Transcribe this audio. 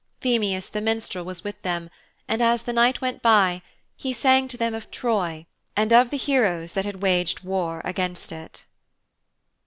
Phemius, the minstrel, was with them, and, as the night went by, he sang to them of Troy and of the heroes who had waged war against it.